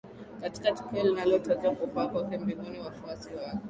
katika tukio linalotajwa kupaa kwake mbinguni wafuasi wake